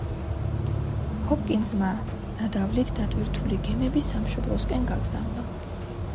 ჰოპკინზმა ნადავლით დატვირთული გემები სამშობლოსკენ გაგზავნა.